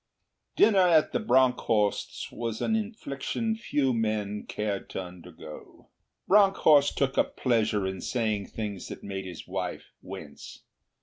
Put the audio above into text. Dinner at the Bronckhorsts' was an infliction few men cared to undergo. Bronckhorst took a pleasure in saying things that made his wife wince.